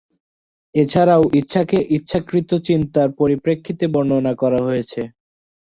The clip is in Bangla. এছাড়াও, ইচ্ছাকে ইচ্ছাকৃত চিন্তার পরিপ্রেক্ষিতে বর্ণনা করা হয়েছে।